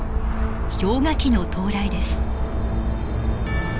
氷河期の到来です。